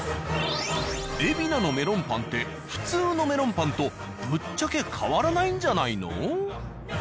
海老名のメロンパンって普通のメロンパンとぶっちゃけ変わらないんじゃないの？